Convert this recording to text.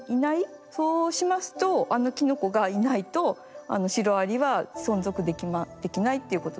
そうしますとあのキノコがいないとシロアリは存続できないっていうことでしょうね。